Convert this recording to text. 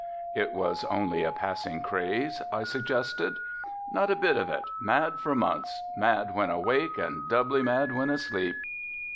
"It was only a passing craze," I suggested. "Not a bit of it, mad for months, mad when awake and doubly mad when asleep."